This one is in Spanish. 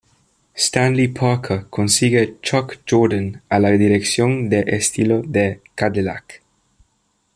Stanley Parker consigue Chuck Jordan a la dirección de estilo de Cadillac.